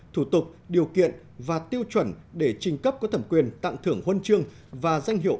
thủ tục điều kiện và tiêu chuẩn để trình cấp có thẩm quyền tặng thưởng huân chương và danh hiệu